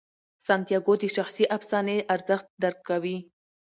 سانتیاګو د شخصي افسانې ارزښت درک کوي.